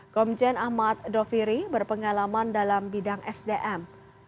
komjen ahmad doviri berpengalaman dalam bidang sdm